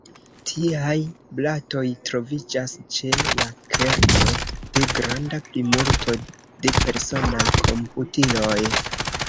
Tiaj blatoj troviĝas ĉe la kerno de granda plimulto de personaj komputiloj.